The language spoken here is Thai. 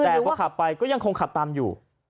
แต่พอขับไปก็ยังคงขับตามอยู่